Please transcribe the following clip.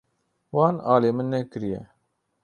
Wan alî min nekiriye.